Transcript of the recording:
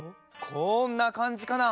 こんなかんじかな？